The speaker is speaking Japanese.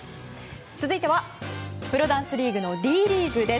続いては、プロダンスリーグのＤリーグです。